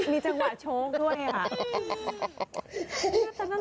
มีจังหวะโชคด้วยค่ะ